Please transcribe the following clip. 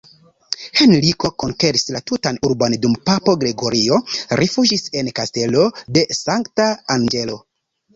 Henriko konkeris la tutan urbon dum papo Gregorio rifuĝis en Kastelo de Sankta Anĝelo.